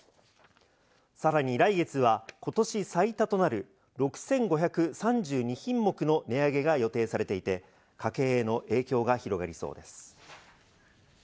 さらに来月は今年最多となる６５３２品目の値上げが予定されていて、家計への影響が広がりそうです。